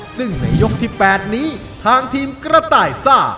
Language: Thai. ซึ่งในยกที่๘นี้ทางทีมกระต่ายซ่า